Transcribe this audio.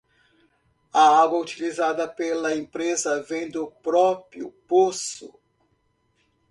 A água utilizada pela empresa vem do próprio poço.